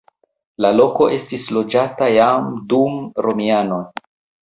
La loko estis loĝata jam dum romianoj.